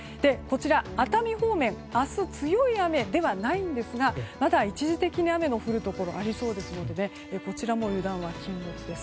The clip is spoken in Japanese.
熱海方面明日、強い雨ではないんですがまだ一時的に雨の降るところがありそうですのでこちらも油断は禁物です。